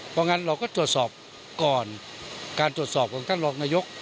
เพราะงั้นเราก็ตรวจสอบก่อนการตรวจสอบของท่านรองนายก